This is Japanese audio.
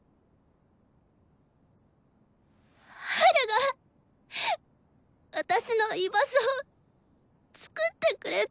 ハルが私の居場所を作ってくれたんだよ。